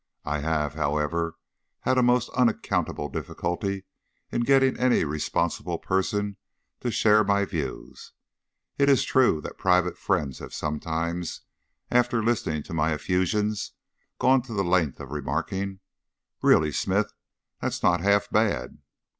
I have, however, had a most unaccountable difficulty in getting any responsible person to share my views. It is true that private friends have sometimes, after listening to my effusions, gone the length of remarking, "Really, Smith, that's not half bad!"